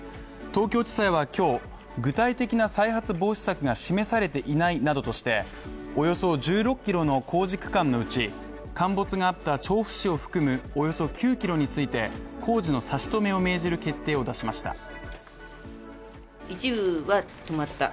東京地裁は今日、具体的な再発防止策が示されていないなどとしておよそ１６ｋｍの工事区間のうち陥没があった調布市を含むおよそ９ｋｍについて、工事の差し止めを命じる決定を出しました。